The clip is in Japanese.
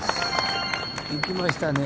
行きましたね。